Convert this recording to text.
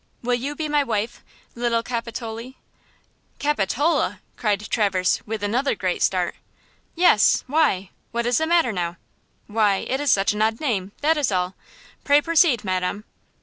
Will you be my wife, little Capitolie?'" "Capitola!" cried Traverse, with another great start. "Yes! Why? What is the matter now?" "Why, it is such an odd name, that is all! Pray proceed, Madam."